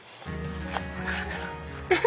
分かるかな。